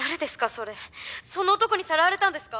それその男にさらわれたんですか